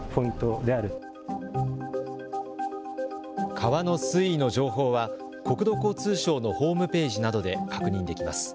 川の水位の情報は国土交通省のホームページなどで確認できます。